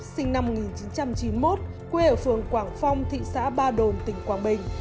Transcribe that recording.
sinh năm một nghìn chín trăm chín mươi một quê ở phường quảng phong thị xã ba đồn tỉnh quảng bình